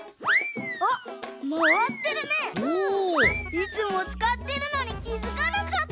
いつもつかってるのにきづかなかった。